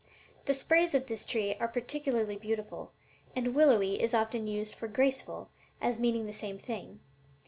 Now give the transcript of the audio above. The sprays of this tree are particularly beautiful, and 'willowy' is often used for 'graceful,' as meaning the same thing.